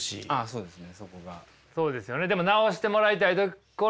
そうですね。